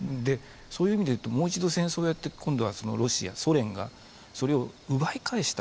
そういう意味で言うともう一度戦争をやって今度はロシアソ連がそれを奪い返した。